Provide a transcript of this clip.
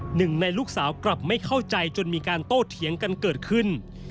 หนึ่งในลูกสาวกลับไม่เข้าใจจนมีการโต้เถียงกันเกิดขึ้น